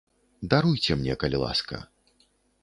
Даруйце мне, калі ласка.